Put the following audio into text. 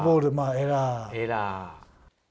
エラー。